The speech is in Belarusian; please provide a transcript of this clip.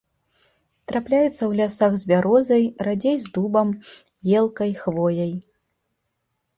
Трапляецца ў лясах з бярозай, радзей з дубам, елкай, хвояй.